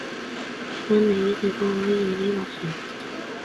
Hegan egiteko gai ere bazen.